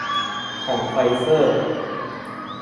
ของไฟเซอร์